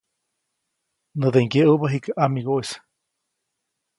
Näde ŋgyeʼubä jikä ʼamigoʼis.